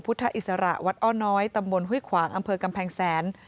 พุทธอิสระวัดอ้อน้อยตำบลห้วยขวางอำเภอกำแพงแสน